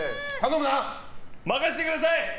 任せてください！